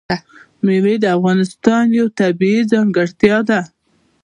مېوې د افغانستان یوه طبیعي ځانګړتیا ده.